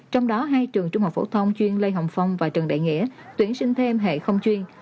trong đó hai trường trung học phổ thông chuyên lê hồng phong và trần đại nghĩa tuyển sinh thêm hệ không chuyên